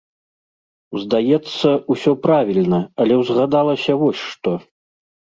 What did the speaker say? Здаецца, усё правільна, але ўзгадалася вось што.